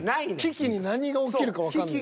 キキに何が起きるかわかんない。